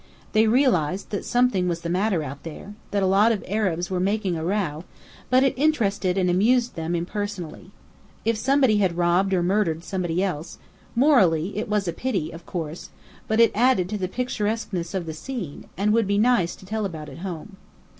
They realized that something was the matter out there, that a lot of Arabs were making a row; but it interested and amused them impersonally. If somebody had robbed or murdered somebody else, morally it was a pity, of course: but it added to the picturesqueness of the scene, and would be nice to tell about at home.